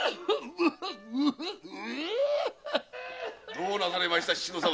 どうなされました宍戸様？